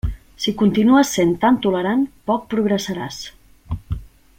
Si continues sent tan tolerant, poc progressaràs.